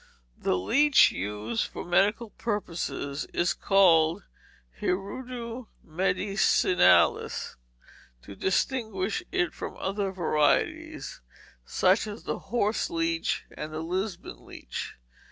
The leech used for medical purposes is called the hirudo medicinalis to distinguish it from other varieties, such as the horse leech and the Lisbon leech.